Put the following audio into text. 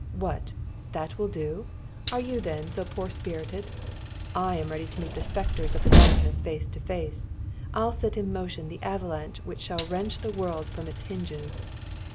"What? That will do? Are you, then, so poor spirited? I am ready to meet the spectres of the darkness face to face. I'll set in motion the avalanche which shall wrench the world from its hinges."